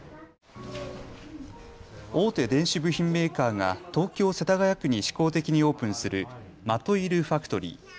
大手電子部品メーカーが東京世田谷区に試行的にオープンするｍａｔｏｉｌｆａｃｔｏｒｙ。